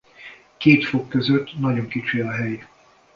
Két fog között nagyon kicsi a hely.